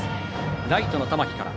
ライトの玉木から。